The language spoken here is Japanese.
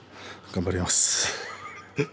頑張ります。